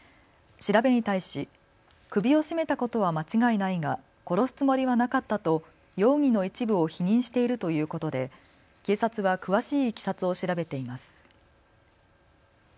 調べに対し首を絞めたことは間違いないが殺すつもりはなかったと容疑の一部を否認しているということで警察は詳しいいきさつを調べています。